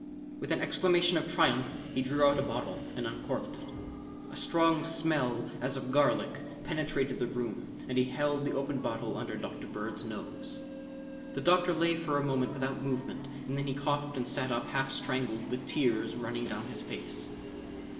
With an exclamation of triumph he drew out a bottle and uncorked it. A strong smell as of garlic penetrated the room and he held the opened bottle under Dr. Bird's nose. The doctor lay for a moment without movement, and then he coughed and sat up half strangled with tears running down his face.